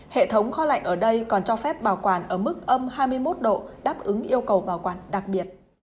hệ thống kho lạnh ở đây còn cho phép bảo quản ở mức âm hai mươi một độ đáp ứng yêu cầu bảo quản đặc biệt